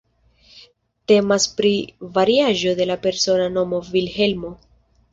Temas pri variaĵo de la persona nomo Vilhelmo.